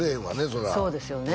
それはそうですよね